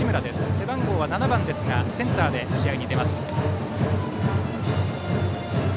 背番号は７番ですがセンターで試合に出ます。